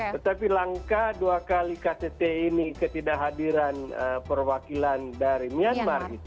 tetapi langkah dua kali ktt ini ketidakhadiran perwakilan dari myanmar